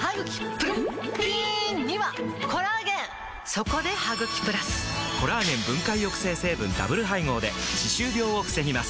そこで「ハグキプラス」！コラーゲン分解抑制成分ダブル配合で歯周病を防ぎます